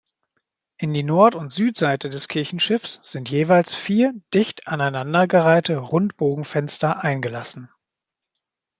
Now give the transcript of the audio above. In die Nord- und Südseite des Kirchenschiffs sind jeweils vier dicht aneinandergereihte Rundbogenfenster eingelassen.